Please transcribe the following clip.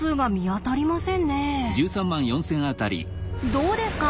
どうですか？